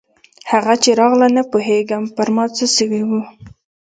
هغه چې راغله نه پوهېږم پر ما څه سوي وو.